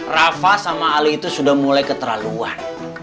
rafa sama ali itu sudah mulai keterlaluan